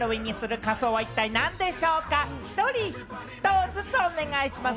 一人一答ずつお願いします。